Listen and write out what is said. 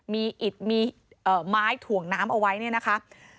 มีอิดมีไม้ถ่วงน้ำเอาไว้เนี่ยนะคะ